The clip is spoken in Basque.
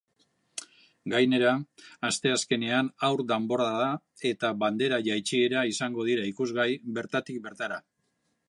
Gainera, asteazkenean haur danborrada eta bandera jaitsiera izango dira ikusgai bertatik bertara.